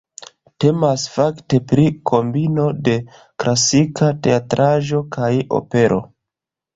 Temas fakte pri kombino de klasika teatraĵo kaj opero.